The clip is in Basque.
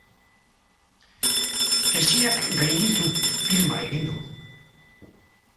Hesiak gainditu filma egin du.